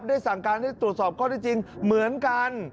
สั่งการให้ตรวจสอบข้อได้จริงเหมือนกัน